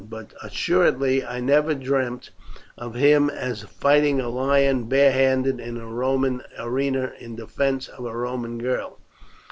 But assuredly I never dreamt of him as fighting a lion barehanded in a Roman arena in defence of a Roman girl.